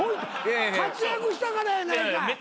活躍したからやないかい。